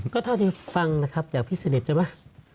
ก็เท่าที่ฟังนะครับจากพี่สนิทใช่ไหม